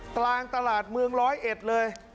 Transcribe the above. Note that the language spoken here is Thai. ตรางตลาดเมือง๑๐๑เลย